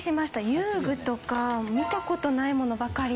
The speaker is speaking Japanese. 遊具とか見た事ないものばかりで。